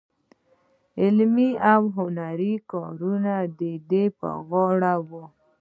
علمي او هنري کارونه د دوی په غاړه وو.